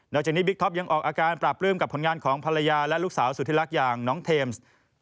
จากนี้บิ๊กท็อปยังออกอาการปราบปลื้มกับผลงานของภรรยาและลูกสาวสุดที่รักอย่างน้องเทมส์